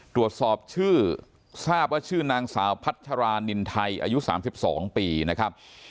ตรวจสอบชื่อทราบว่าชื่อนางสาวพัชรานินไทยอายุ๓๒ปีนะครับ